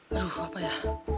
aduh apa ya